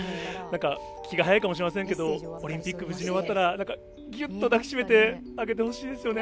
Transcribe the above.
気が早いかもしれませんけどオリンピック無事に終わったらぎゅっと抱きしめてあげてほしいですよね。